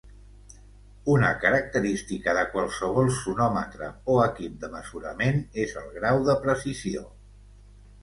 Una característica de qualsevol sonòmetre o equip de mesurament és el grau de precisió.